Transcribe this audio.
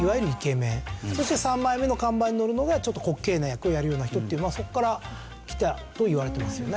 そして三枚目の看板に載るのがちょっと滑稽な役をやるような人っていうのはそこからきたといわれてますよね。